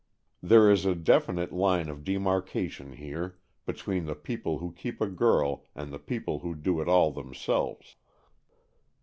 There is a definite line of demarcation here, between the people who keep a girl and the people who do it all themselves.